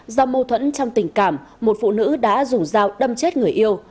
do mâu thuẫn trong tình cảm một phụ nữ đã dùng dao đâm chết người yêu